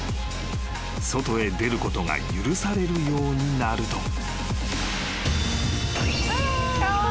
［外へ出ることが許されるようになると］